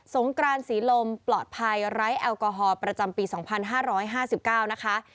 งกรานศรีลมปลอดภัยไร้แอลกอฮอลประจำปี๒๕๕๙นะคะ